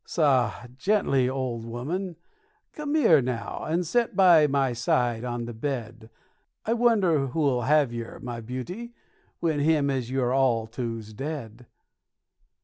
Soh! Gently, old 'ooman; come here, now, and set by my side on the bed; I wonder who'll have yer, my beauty, when him as you're all to 's dead.